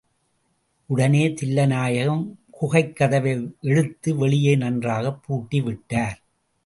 உடனே தில்லைநாயகம் குகைக்கதவை இழுத்து வெளியே நன்றாகப் பூட்டி விட்டார்.